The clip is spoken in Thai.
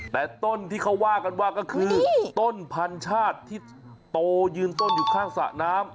แต่ต้นที่เขาว่ากันว่าก็คือต้นพันชาติที่โตยืนต้นอยู่ข้างสระน้ำ